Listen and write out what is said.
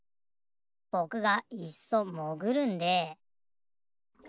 ぼくがいっそもぐるんで。